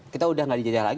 kita sudah tidak dijajah lagi